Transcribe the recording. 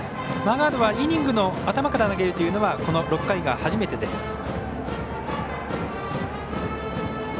マーガードはイニングの頭から投げるというのはこの６回が初めてです。